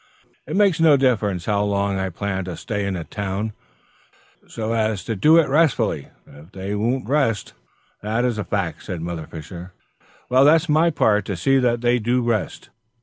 "It makes no difference how long I plan to stay in a town, so as to do it restfully, if they won't rest." "That is a fact," said Mother Fisher. "Well, that's my part to see that they do rest."